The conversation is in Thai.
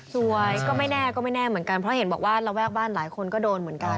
ก็ไม่แน่ก็ไม่แน่เหมือนกันเพราะเห็นบอกว่าระแวกบ้านหลายคนก็โดนเหมือนกัน